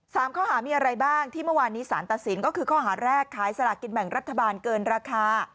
สามข้อหามีอะไรบ้างที่เมื่อวานนี้สารตัดสินก็คือข้อหาแรกขายสลากินแบ่งรัฐบาลเกินราคา